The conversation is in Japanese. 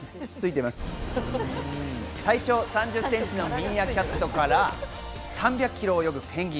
体長３０センチのミーアキャットから、３００キロ泳ぐペンギン。